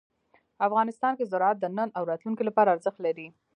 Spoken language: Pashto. افغانستان کې زراعت د نن او راتلونکي لپاره ارزښت لري.